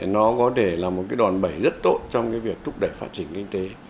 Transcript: nó có thể là một cái đòn bẩy rất tốt trong cái việc thúc đẩy phát triển kinh tế